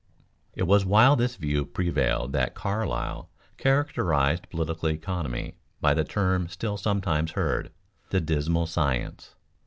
It was while this view prevailed that Carlyle characterized political economy by the term still sometimes heard "the dismal science."